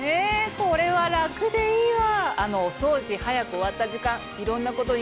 これは楽でいいわ。